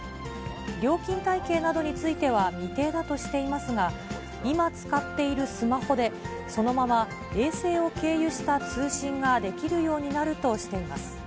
料金体系などについては未定だとしていますが、今使っているスマホで、そのまま衛星を経由した通信ができるようになるとしています。